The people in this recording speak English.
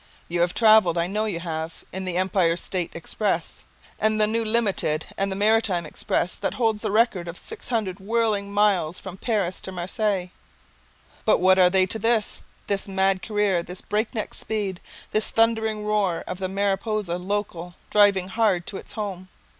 You have travelled, I know you have; in the Empire State Express, and the New Limited and the Maritime Express that holds the record of six hundred whirling miles from Paris to Marseilles. But what are they to this, this mad career, this breakneck speed, this thundering roar of the Mariposa local driving hard to its home!